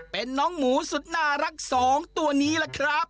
เป็นน้องหมูสุดน่ารักสองตัวนี้ล่ะครับ